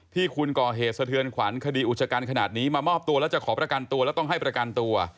ที่คุณก่อเหตุสะเทือนขวัญคดีอุชกันขนาดนี้มามอบตัวแล้วจะขอประกันตัวแล้วต้องให้ประกันตัว